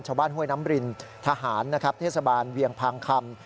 ชาวบ้านห้วยน้ำรินทหารนะครับทศเวียงพังคำ